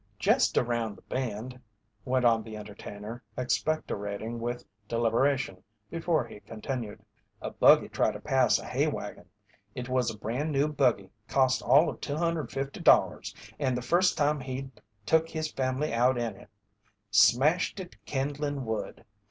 "Jest around that bend," went on the entertainer, expectorating with deliberation before he continued, "a buggy tried to pass a hay wagon. It was a brand new buggy, cost all of $250, and the first time he'd took his family out in it. Smashed it to kindlin' wood.